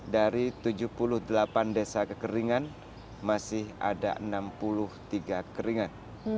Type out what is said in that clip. dari tujuh puluh delapan desa kekeringan masih ada enam puluh tiga keringan